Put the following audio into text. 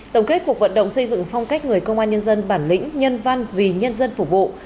tổng kết cuộc vận động xây dựng phong cách người công an nhân dân bản lĩnh nhân văn vì nhân dân phục vụ